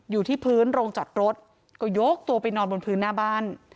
อยู่ที่พื้นโรงจอดรถก็ยกตัวไปนอนบนพื้นหน้าบ้าน